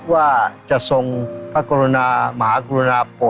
ว่าจะส่งพระกรุณามหากรุณาโปรดเก้ามาดับทุกข์จนถึงที่ด้วยพระองค์เอง